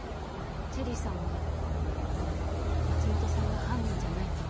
チェリーさんは松本さんが犯人じゃないって